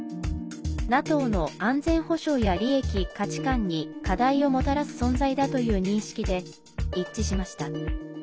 ＮＡＴＯの安全保障や利益、価値観に課題をもたらす存在だという認識で一致しました。